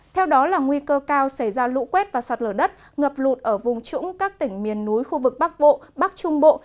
theo đó là nguy cơ cao xảy ra lũ quét và sạt lở đất ngập lụt ở vùng trũng các tỉnh miền núi khu vực bắc bộ bắc trung bộ